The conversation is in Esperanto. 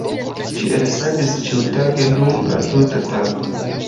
Ĝi elsendis ĉiutage, dum la tuta tago.